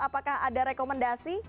apakah ada rekomendasi